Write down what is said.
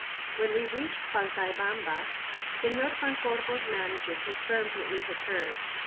When we reached Paltaybamba, Señor Pancorbo's manager confirmed what we had heard.